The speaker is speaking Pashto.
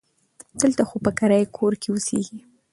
دلته خو په کرایي کور کې اوسیږي.